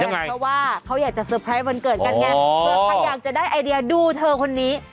เพราะว่าเขาอยากจะเตอร์ไพรส์วันเกิดกันไงเผื่อใครอยากจะได้ไอเดียดูเธอคนนี้